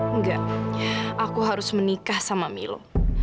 enggak aku harus menikah sama milo